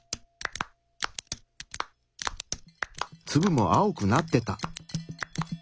ツブも青くなってた。